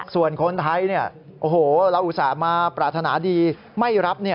ส่วนคนไทยเราอุตส่าห์มาปรารถนาดีไม่รับ